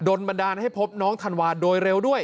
บันดาลให้พบน้องธันวาโดยเร็วด้วย